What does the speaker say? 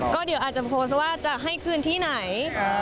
ก็เดี๋ยวอาจจะโพสต์ว่าจะให้คืนที่ไหน